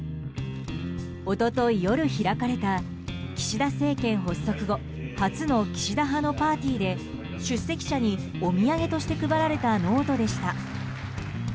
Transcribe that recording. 一昨日夜開かれた岸田政権発足後初の岸田派のパーティーで出席者にお土産として配られたノートでした。